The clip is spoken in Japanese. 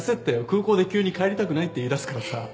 空港で急に帰りたくないって言いだすからさ。